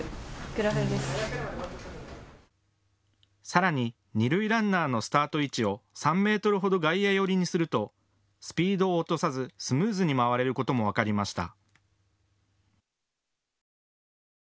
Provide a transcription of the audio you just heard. さらに二塁ランナーのスタート位置を３メートルほど外野寄りにするとスピードを落とさずスムーズに回れることも分かりました。